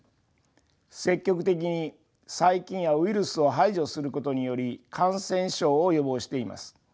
積極的に細菌やウイルスを排除することにより感染症を予防しています。